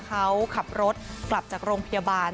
เขาขับรถกลับจากโรงพยาบาล